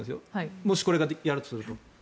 もしこれをやろうとすると。